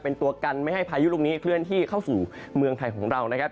เป็นตัวกันไม่ให้พายุลูกนี้เคลื่อนที่เข้าสู่เมืองไทยของเรานะครับ